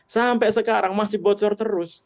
sampai sekarang masih bocor terus